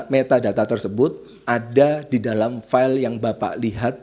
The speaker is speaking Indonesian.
metadata tersebut ada di dalam file yang bapak lihat